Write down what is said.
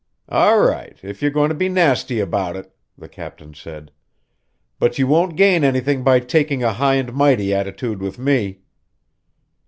"All right, if you're going to be nasty about it," the captain said. "But you won't gain anything by taking a high and mighty attitude with me."